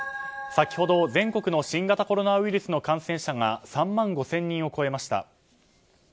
先ほど全国の新型コロナウイルスの感染者が３万５０００人を超えました。